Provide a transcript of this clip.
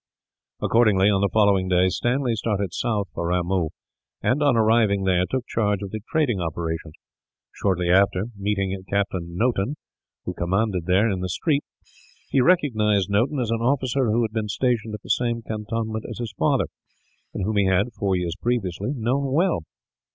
Accordingly, on the following day Stanley started south for Ramoo and, on arriving there, took charge of the trading operations. Shortly after, meeting Captain Noton who commanded there in the street, he recognized him as an officer who had been stationed at the same cantonment as his father; and whom he had, four years previously, known well.